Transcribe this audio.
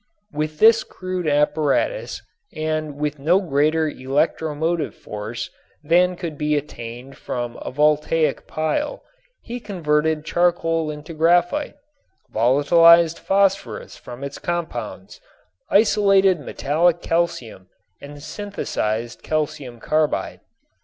With this crude apparatus and with no greater electromotive force than could be attained from a voltaic pile, he converted charcoal into graphite, volatilized phosphorus from its compounds, isolated metallic calcium and synthesized calcium carbide.